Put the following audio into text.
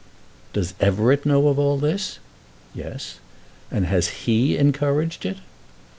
"Does Everett know of all this?" "Yes." "And has he encouraged it?"